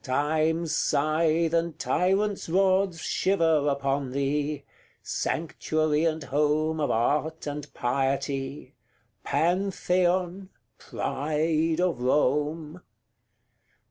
Time's scythe and tyrants' rods Shiver upon thee sanctuary and home Of art and piety Pantheon! pride of Rome!